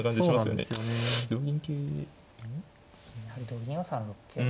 やはり同銀は３六桂。